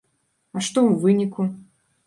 А што ў выніку?